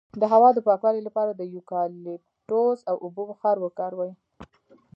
د هوا د پاکوالي لپاره د یوکالیپټوس او اوبو بخار وکاروئ